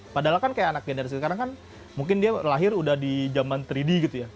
padahal kan kayak anak generasi sekarang kan mungkin dia lahir udah di zaman tiga d gitu ya